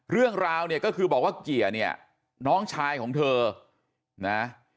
เรื่องราวเนี่ยก็คือบอกว่าเกียร์เนี่ยน้องชายของเธอนะ